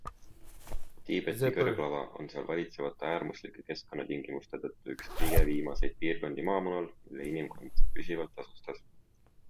Tiibeti kõrglava on seal valitsevate äärmuslike keskkonnatingimuste tõttu üks kõige viimaseid piirkondi maamunal, mille inimkond püsivalt asustas.